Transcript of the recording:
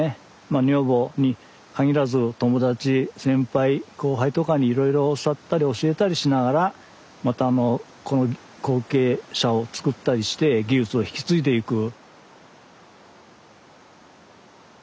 まあ女房にかぎらず友達先輩後輩とかにいろいろ教わったり教えたりしながらまたこの後継者をつくったりして技術を引き継いでいく。